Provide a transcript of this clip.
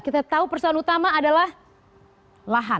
kita tahu persoalan utama adalah lahan